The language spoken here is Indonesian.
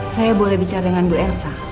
saya boleh bicara dengan bu elsa